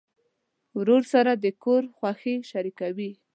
ورور سره د کور خوښۍ شریکوي.